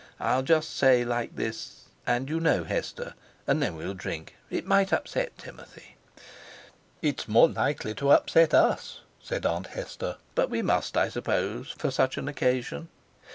I'll just say like this, 'And you know, Hester!' and then we'll drink. It might upset Timothy." "It's more likely to upset us," said Aunt Nester. "But we must, I suppose; for such an occasion."